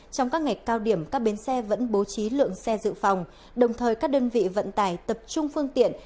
trong các ngày cao điểm các bến xe vẫn bố trí lượng xe dự phòng đồng thời các đơn vị vận tải tập trung phương tiện